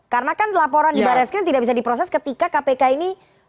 karena kan laporan di baris krim tidak bisa diproses ketika kpk ini